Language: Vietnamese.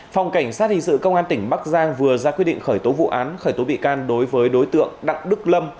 phòng cảnh sát hình sự công an tỉnh bắc giang vừa ra quyết định khởi tố vụ án khởi tố bị can đối với đối tượng đặng đức lâm